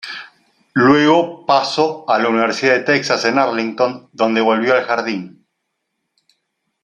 Luego paso a la Universidad de Texas en Arlington donde volvió al jardín.